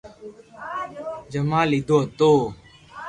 جمم ليدو ھتو